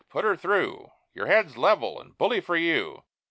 "Put her through!" "Your head's level!" and "Bully for you!"